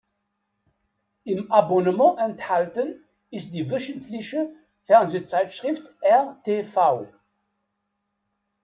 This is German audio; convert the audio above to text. Im Abonnement enthalten ist die wöchentliche Fernsehzeitschrift rtv.